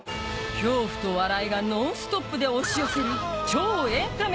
恐怖と笑いがノンストップで押し寄せる超エンタメ